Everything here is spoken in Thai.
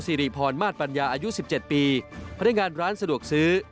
สิริพรมาสปัญญาอายุ๑๗ปีพนักงานร้านสะดวกซื้อ